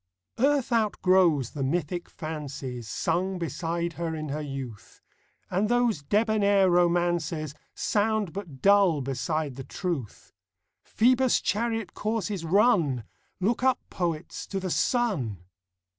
ARTH outgrows the mythic fancies Sung beside her in her youth ; And those debonair romances Sound but dull beside the truth. Phoebus' chariot course is run ! Look up, poets, to the sun